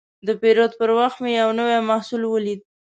د پیرود پر وخت مې یو نوی محصول ولید.